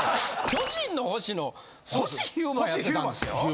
『巨人の星』の星飛雄馬やってたんですよ！